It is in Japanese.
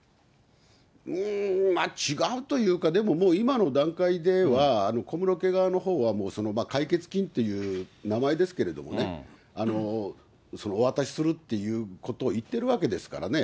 うーん、違うというか、でももう、今の段階では、小室家側のほうは、解決金という名前ですけれどもね、お渡しするっていうことを言ってるわけですからね。